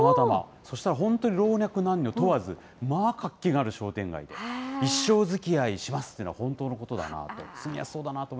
そしたら本当に老若男女問わず、まあ、活気がある商店街で、一生づきあいしますというのは、本当のことだなと。